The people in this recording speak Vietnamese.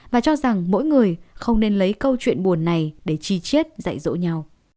và cho rằng mỗi người không nên lấy câu chuyện buồn này để chi chiết dạy dỗ nhau